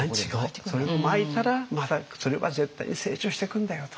それをまいたらまたそれは絶対に成長してくんだよと。